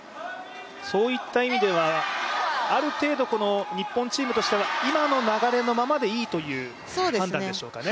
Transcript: そういった意味ではある程度日本チームとしては今の流れのままでいいという判断でしょうかね。